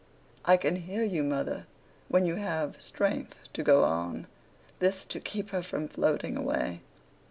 'I can hear you, mother, when you have strength to go on.' This, to keep her from floating away.